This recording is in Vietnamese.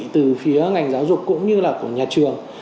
từ phía ngành giáo dục cũng như là của nhà trường